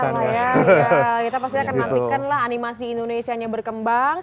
kita pasti akan nantikan lah animasi indonesia nya berkembang